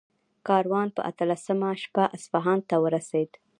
کاروان په اتلسمه شپه اصفهان ته ورسېد.